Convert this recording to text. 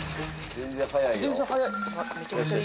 全然速い。